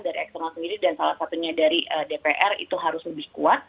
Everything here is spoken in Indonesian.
dari eksternal sendiri dan salah satunya dari dpr itu harus lebih kuat